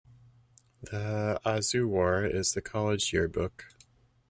"The Azuwur" is the College yearbook.